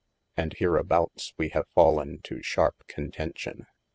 And here aboutes wee have fallen to sharpe contencion.